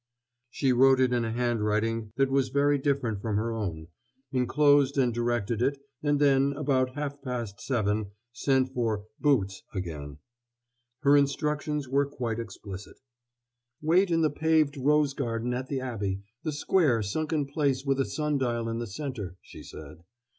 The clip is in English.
She wrote it in a handwriting that was very different from her own, inclosed and directed it, and then, about half past seven, sent for "boots" again. Her instructions were quite explicit: "Wait in the paved rose garden at the Abbey, the square sunken place with a sun dial in the center," she said.